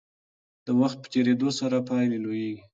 د وخت په تیریدو سره پایلې لویېږي.